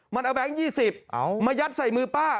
มันเอาแบงค์๒๐มายัดใส่มือป้า